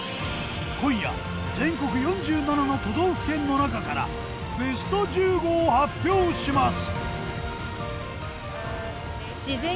今夜全国４７の都道府県の中からＢＥＳＴ１５を発表します！